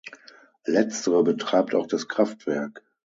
Letztere betreibt auch das Kraftwerk.